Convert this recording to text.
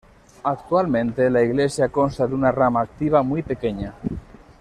Actualmente, la iglesia consta de una rama activa muy pequeña.